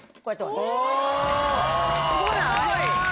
すごない？